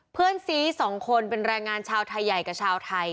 เพื่อนซี๒คนเป็นแรงงานชาวไทยใหญ่กับชาวไทย